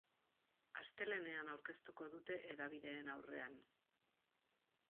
Astelehenean aurkeztuko dute hedabideen aurrean.